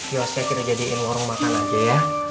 yosnya kita jadiin warung makan aja ya